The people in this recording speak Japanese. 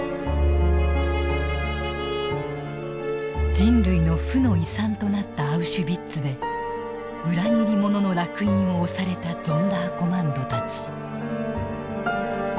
人類の負の遺産となったアウシュビッツで裏切り者のらく印を押されたゾンダーコマンドたち。